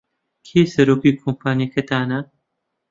کێ سەرۆکی کۆمپانیاکەتانە؟